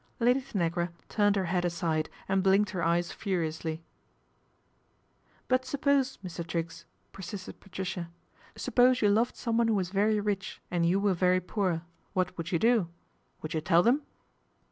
Lady Tanagra turned her head aside ac | blinked her eyes furiously. " But suppose, Mr. Triggs," persisted Patrici MR. TRIGGS TAKES TEA 223 suppose you loved someone who was very rich nd you were very poor. What would you do ? Vould you tell them